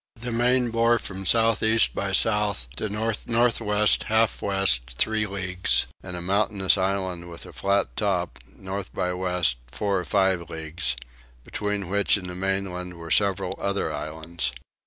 The main bore from south east by south to north north west half west three leagues, and a mountainous island with a flat top, north by west four or five leagues, between which and the mainland were several other islands.